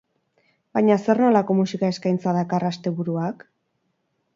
Baina zer nolako musika eskaintza dakar asteburuak?